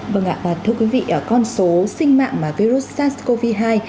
vâng ạ và thưa quý vị con số sinh mạng virus sars cov hai